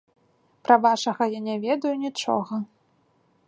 Пра вашага я не ведаю нічога.